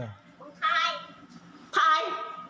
ภายภาย